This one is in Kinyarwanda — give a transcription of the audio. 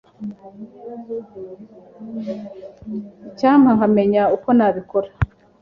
Icyampa nkamenya uko nabikora.